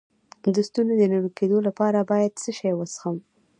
د ستوني د نیول کیدو لپاره باید څه شی وڅښم؟